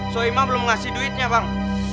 soeimah belum ngasih duitnya bang